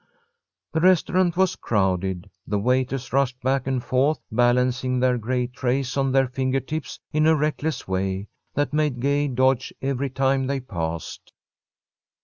The restaurant was crowded. The waiters rushed back and forth, balancing their great trays on their finger tips in a reckless way that made Gay dodge every time they passed.